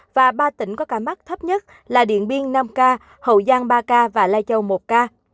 và ba tỉnh có ca mắc thấp nhất là điện biên năm ca hậu giang ba ca và lai châu một ca